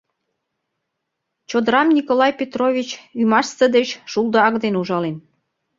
Чодырам Николай Петрович ӱмашсе деч шулдо ак дене ужален.